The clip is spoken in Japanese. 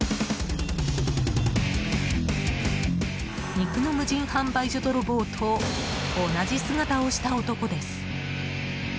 肉の無人販売所泥棒と同じ姿をした男です。